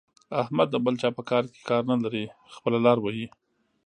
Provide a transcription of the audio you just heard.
احمد د بل چا په کار کې کار نه لري؛ خپله لاره وهي.